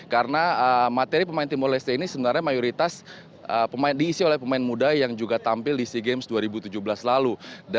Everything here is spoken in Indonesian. karena materi pemain timor leste ini sebenarnya mayoritas diisi oleh pemain muda yang juga tampil di sea games dua ribu tujuh belas lalu